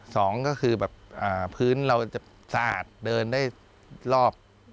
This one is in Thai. สองก็คือแบบพื้นเราจะสะอาดเดินได้รอบ